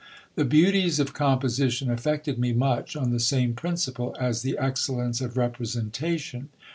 The beauties of composition affected me much on the same principle as the excellence of representation.